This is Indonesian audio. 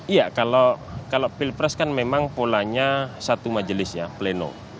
iya kalau pilpres kan memang polanya satu majelis ya pleno